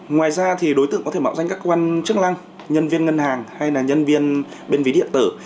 ngoài ra thì đối tượng có thể mạo danh các quan chức năng nhân viên ngân hàng hay là nhân viên bên ví điện tử